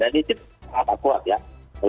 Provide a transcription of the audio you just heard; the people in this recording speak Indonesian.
dan ini sangat kuat ya